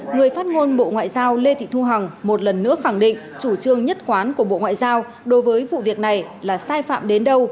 người phát ngôn bộ ngoại giao lê thị thu hằng một lần nữa khẳng định chủ trương nhất quán của bộ ngoại giao đối với vụ việc này là sai phạm đến đâu